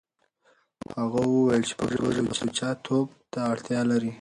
هغه وويل چې پښتو ژبه سوچه توب ته اړتيا لري.